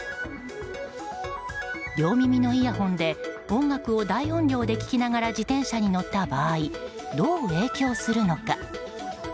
両耳のイヤホンで音楽を大音量で聴きながら自転車に乗った場合どう影響するのか。